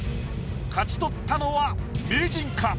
勝ち取ったのは名人か？